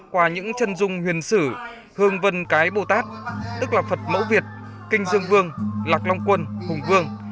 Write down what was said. qua những chân dung huyền sử hương vân cái bồ tát tức là phật mẫu việt kinh dương vương lạc long quân hùng vương